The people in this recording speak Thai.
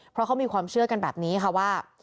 เพราะเขามีความเชื่อกันแบบนี้ค่ะว่า